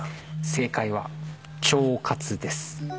正解は腸活です